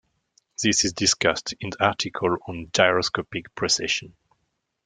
This is discussed in the article on gyroscopic precession.